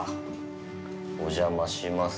お邪魔します。